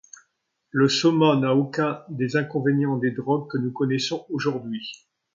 Le Soma n'a aucun des inconvénients des drogues que nous connaissons aujourd'hui.